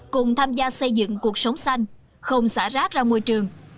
cùng tham gia xây dựng cuộc sống xanh không xả rác ra môi trường